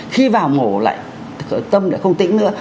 khi vào ngổ lại tâm lại không tĩnh nữa